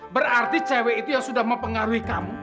berarti cewek itu yang sudah mempengaruhi kamu